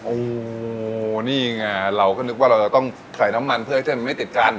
โอ้นี่ไงเราก็นึกว่าเราจะต้องใส่น้ำมันเพื่อให้เส้นมันไม่ติดกัน